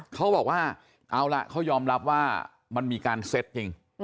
เขาบอกว่าเอาล่ะเขายอมรับว่ามันมีการเซ็ตจริง